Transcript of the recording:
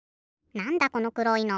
なんだこのくろいの。